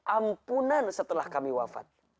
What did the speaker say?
ampunan setelah kami wafat